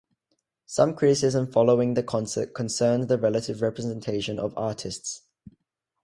Some criticism following the concert concerned the relative representation of artists.